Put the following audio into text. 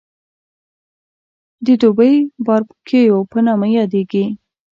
د دوبۍ باربکیو په نامه یادېږي.